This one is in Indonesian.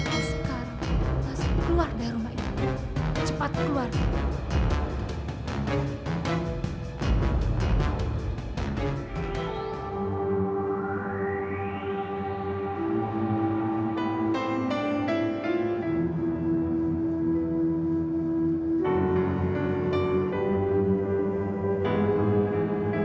masih kan masih keluar dari rumahku